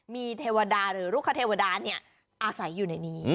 มีเทวดาหรือลูกคเทวดาอาศัยอยู่ในนี้